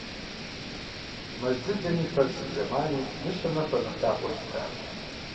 Мэз дзыдзэм и фэр сыт зэмани дыщэм нэхърэ нэхъ лъапӀэу щытащ.